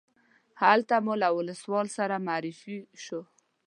هلته مو له ولسوال سره معرفي شوو.